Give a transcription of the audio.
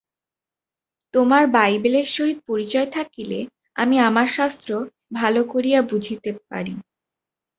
তোমার বাইবেলের সহিত পরিচয় থাকিলে আমি আমার শাস্ত্র ভাল করিয়া বুঝিতে পারি।